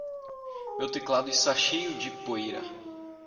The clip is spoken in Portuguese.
Meu teclado está cheio de poeira.